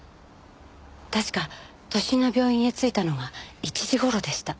確か都心の病院へ着いたのが１時頃でした。